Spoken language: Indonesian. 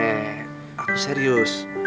eh aku serius